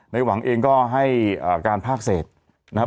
หวังเองก็ให้การภาคเศษนะครับ